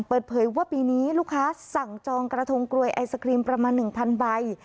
เปิดเผยว่าปีนี้ลูกค้าสั่งจองกระทงกลวยไอศครีมประมาณ๑๐๐ใบ